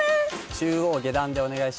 中央下段でお願いします。